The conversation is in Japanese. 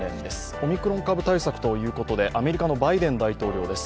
オミクロン株対策ということでアメリカのバイデン大統領です。